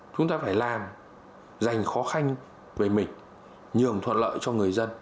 chúng ta phải làm dành khó khăn về mình nhường thuận lợi cho người dân